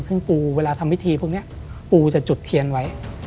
ซึ่งปูเวลาทำพิธีพวกนี้ปูจะจุดเทียนไว้